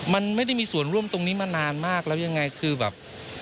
มันไม่ได้มีส่วนร่วมตรงนี้มานานมากแล้วยังไงคือแบบ